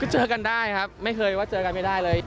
เจอกันได้ครับไม่เคยว่าเจอกันไม่ได้เลย